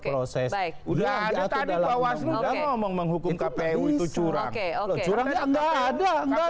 proses baik udah ada tadi bahwa sudah ngomong menghukum kpu itu curang oke oke udah ada nggak